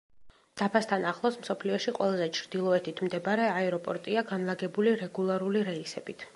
დაბასთან ახლოს მსოფლიოში ყველაზე ჩრდილოეთით მდებარე აეროპორტია განლაგებული რეგულარული რეისებით.